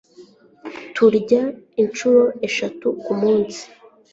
turya inshuro eshatu ku munsi